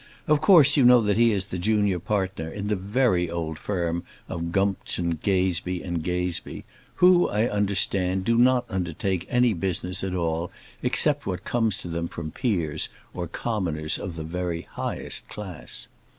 Of course, you know that he is the junior partner in the very old firm of Gumption, Gazebee, & Gazebee, who, I understand, do not undertake any business at all, except what comes to them from peers, or commoners of the very highest class.